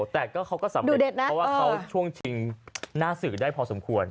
แต่กับเขาก็สำเร็จนะดูเด็ดน่ะอ่าวเพราะว่าเขาช่วงจริงน่าสือได้พอสมควร